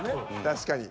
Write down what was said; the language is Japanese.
確かに。